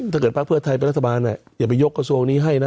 ภักดิ์เพื่อไทยเป็นรัฐบาลอย่าไปยกกระทรวงนี้ให้นะ